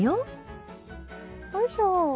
おいしょ。